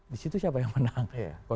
di situ siapa yang menang